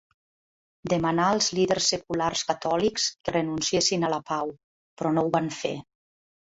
Demanà als líders seculars catòlics que renunciessin a la pau, però no ho van fer.